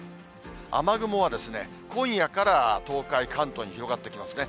雨雲はですね、今夜から東海、関東に広がってきますね。